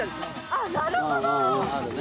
あっなるほど！